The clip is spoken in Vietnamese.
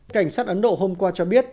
cảnh sát ấn độ hôm qua cho biết